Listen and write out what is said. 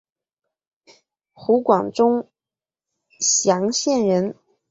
湖广钟祥县人。